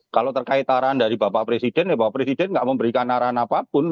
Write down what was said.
kalau terkait arahan dari bapak presiden ya bapak presiden nggak memberikan arahan apapun